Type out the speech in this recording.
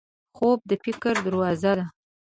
خوب د فکر دروازه ده